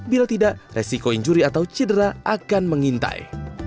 bila tidak resiko injuri atau cedera akan mengintai